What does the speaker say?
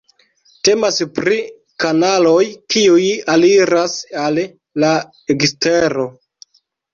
Temas pri kanaloj kiuj aliras al la ekstero.